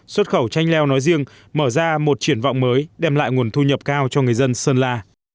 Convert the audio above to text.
xuất khẩu chanh leo nói riêng mở ra một triển vọng mới đem lại nguồn thu nhập cao cho người dân sơn la